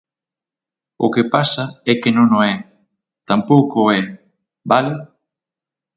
O que pasa é que non o é, tampouco o é, ¿vale?